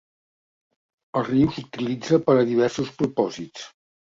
El riu s'utilitza per a diversos propòsits.